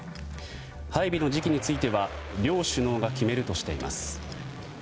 配備の時期については両首脳が決めるとしています。